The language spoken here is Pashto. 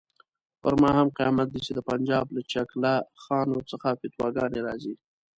پر ما هم قیامت دی چې د پنجاب له چکله خانو څخه فتواګانې راځي.